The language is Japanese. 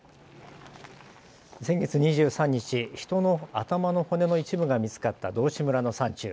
先月２３日、人の頭の骨の一部が見つかった道志村の山中。